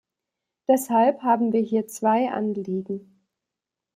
Deshalb haben wir hier zwei Anliegen.